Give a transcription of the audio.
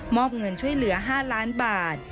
อบเงินช่วยเหลือ๕ล้านบาท